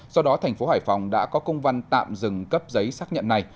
do đó thành phố hải phòng đã có công văn tạm dừng cấp giấy xác nhận này